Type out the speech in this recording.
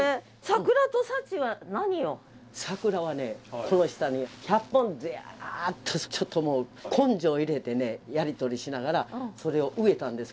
桜はねこの下に１００本でやっとちょっともう根性入れてねやり取りしながらそれを植えたんですみんなで。